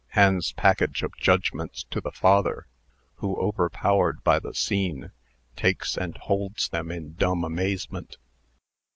(Hands package of judgments to the father, who, overpowered by the scene, takes and holds them in dumb amazement.)